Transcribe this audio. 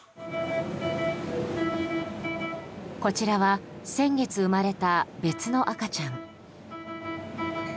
こちらは先月生まれた別の赤ちゃん。